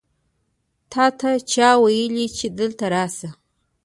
تا ته چا وویل چې دلته راسه؟